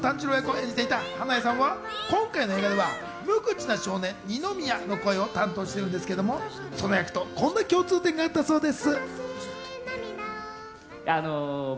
『鬼滅の刃』で竈門炭治郎役を演じていた花江さんは今回の映画では無口な少年、二宮の声を担当しているんですが、その役とこんな共通点があったそうです。